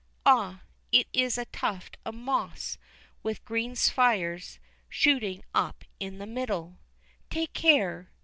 Ah, it is a tuft of moss with green spires shooting up in the middle. Take care!